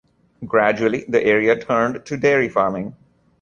Gradually, the area turned to dairy farming.